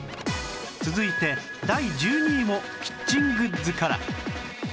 続いて第１２位もキッチングッズから